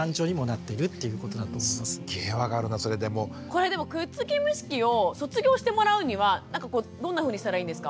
これでも「くっつき虫期」を卒業してもらうにはなんかこうどんなふうにしたらいいんですか？